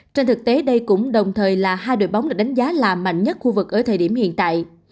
trên thực tế đây cũng đồng thời là hai đội bóng được đánh giá là mạnh nhất khu vực ở thời điểm hiện tại